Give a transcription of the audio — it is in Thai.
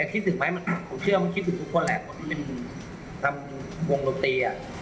คิดถึงไหมผมเชื่อคิดถึงทุกคนแหละว่าทำวงโรตี